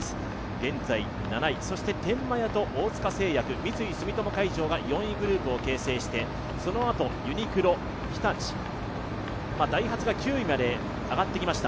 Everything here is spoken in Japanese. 現在７位、天満屋と大塚製薬、三井住友海上が４位グループを形成して、そのあとユニクロ、日立ダイハツが９位まで上がってきました。